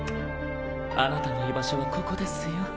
あなたの居場所はここですよ